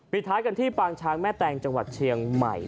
ท้ายกันที่ปางช้างแม่แตงจังหวัดเชียงใหม่